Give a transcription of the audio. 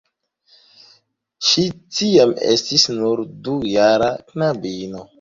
Ŝi tiam estis nur dujara knabino.